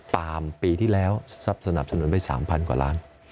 ปาล์มปีที่แล้วสนับสนุนไป๓๐๐กว่าล้าน